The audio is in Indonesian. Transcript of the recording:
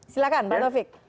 silahkan pak taufik